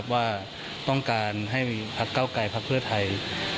ว่าต้องการให้พักเก้าไกลพักเพื่อไทย